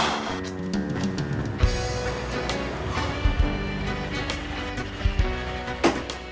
k deer yang kacang